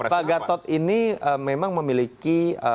pak gatot ini memang memiliki